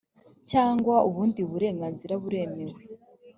cyangwa ubundi burenganzira buremewe